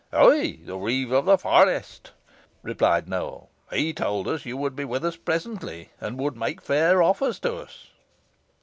"Ay, the reeve of the forest," replied Nowell. "He told us you would be with us presently, and would make fair offers to us."